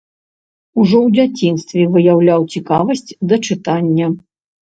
Ужо ў дзяцінстве выяўляў цікавасць да чытання.